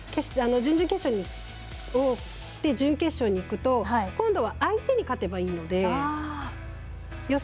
準々決勝から準決勝にいくと今度は相手に勝てばいいので。